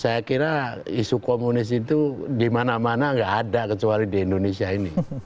saya kira isu komunis itu di mana mana nggak ada kecuali di indonesia ini